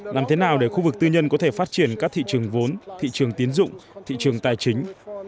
làm thế nào để khu vực tư nhân có thể phát triển các thị trường vốn thị trường tiến dụng thị trường tài chính